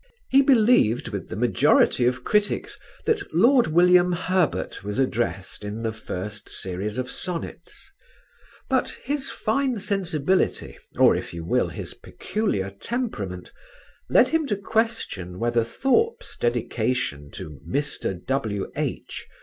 He believed with the majority of critics that Lord William Herbert was addressed in the first series of Sonnets; but his fine sensibility or, if you will, his peculiar temperament, led him to question whether Thorpe's dedication to "Mr. W.H."